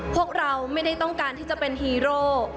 พวกเราไม่ได้ต้องการที่จะเป็นฮีโร่